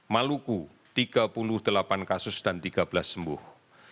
maluku tiga puluh delapan kasus dan tiga belas sembuh